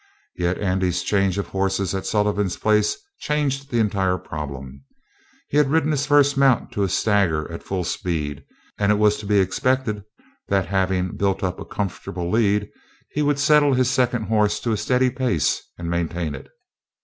Yet Andy's change of horses at Sullivan's place changed the entire problem. He had ridden his first mount to a stagger at full speed, and it was to be expected that, having built up a comfortable lead, he would settle his second horse to a steady pace and maintain it.